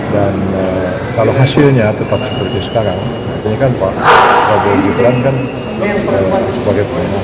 dan kalau hasilnya tetap seperti sekarang